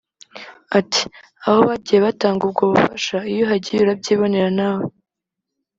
Ati” Aho bagiye batanga ubwo bufasha iyo uhagiye urabyibonera nawe